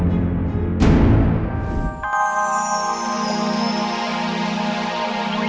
mama harus kenal deh sama dia